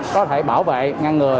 có thể bảo vệ ngăn ngừa